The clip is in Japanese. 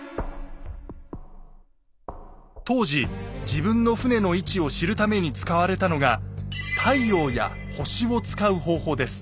当時自分の船の位置を知るために使われたのが太陽や星を使う方法です。